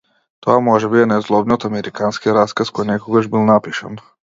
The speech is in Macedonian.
Тоа можеби е најзлобниот американски расказ кој некогаш бил напишан.